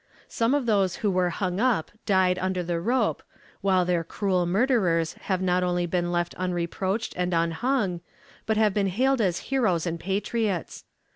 Some of those who were hung up died under the rope, while their cruel murderers have not only been left unreproached and unhung, but have been hailed as heroes and patriots.